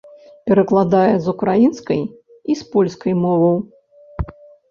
Перакладае з украінскай і з польскай моваў.